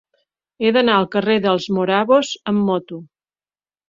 He d'anar al carrer dels Morabos amb moto.